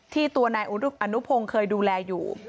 ตัวนายอนุพงศ์เคยดูแลอยู่